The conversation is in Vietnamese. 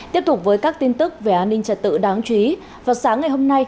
tiếp tục với các tin tức về an ninh trật tự đáng chú ý vào sáng ngày hôm nay